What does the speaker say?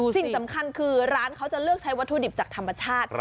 สิ่งสำคัญคือร้านเขาจะเลือกใช้วัตถุดิบจากธรรมชาติ